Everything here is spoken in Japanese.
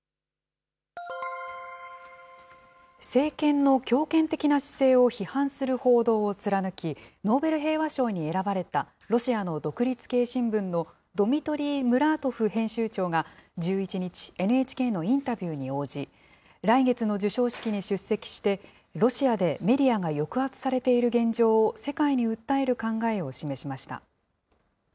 政権の強権的な姿勢を批判する報道を貫き、ノーベル平和賞に選ばれたロシアの独立系新聞のドミトリー・ムラートフ編集長が１１日、ＮＨＫのインタビューに応じ、来月の授賞式に出席して、ロシアでメディアが抑圧されている現状を世界に訴える考えを示しました。